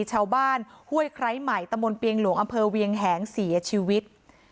ชาวบ้านฮ่วยไคร้ใหม่ตมเปียงหลวงอเวียงแหงเสียชีวิต